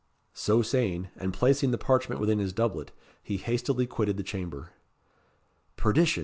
So saying, and placing the parchment within his doublet, he hastily quitted the chamber. "Perdition!